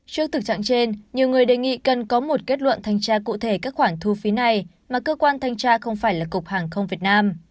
trước thực trạng trên nhiều người đề nghị cần có một kết luận thanh tra cụ thể các khoản thu phí này mà cơ quan thanh tra không phải là cục hàng không việt nam